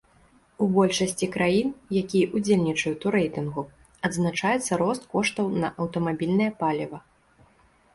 У большасці краін, якія ўдзельнічаюць у рэйтынгу, адзначаецца рост коштаў на аўтамабільнае паліва.